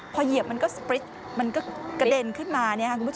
พอเหยียบมันก็สปริ๊ดมันก็กระเด็นขึ้นมา